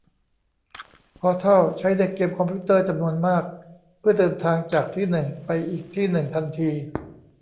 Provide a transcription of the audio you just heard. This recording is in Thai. พอร์ทัลใช้ในเกมคอมพิวเตอร์จำนวนมากเพื่อเดินทางจากที่หนึ่งไปอีกที่หนึ่งทันที